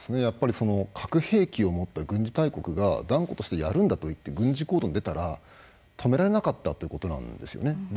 やっぱり核兵器を持った軍事大国が断固としてやるんだといって軍事行動に出たら止められなかったということなんですよね。